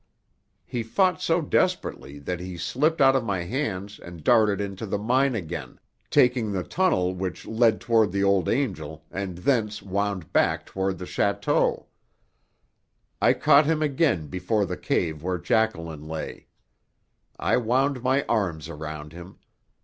He fought so desperately that he slipped out of my hands and darted into the mine again, taking the tunnel which led toward the Old Angel, and thence wound back toward the château. I caught him again before the cave where Jacqueline lay. I wound my arms around him.